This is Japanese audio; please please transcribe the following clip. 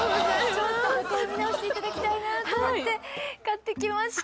ちょっと箱も見直していただきたいなと思って買ってきました